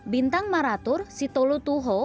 bintang maratur si tolu tuho